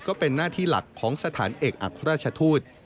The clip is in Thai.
ก็เป็นหน้าที่หลักของสถานเอกอัครราชทูต